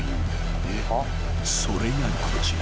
［それがこちら］